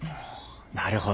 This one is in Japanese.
なるほど。